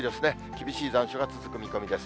厳しい残暑が続く見込みです。